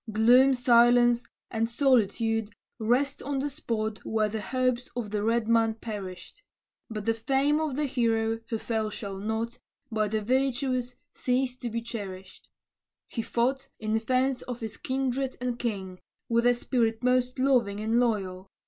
Gloom, silence, and solitude rest on the spot Where the hopes of the red man perished; But the fame of the hero who fell shall not, By the virtuous, cease to be cherished. He fought, in defence of his kindred and king, With a spirit most loving and loyal.